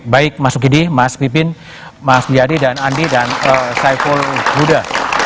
baik mas ukidi mas pipin mas wilyadi dan andi dan saiful huda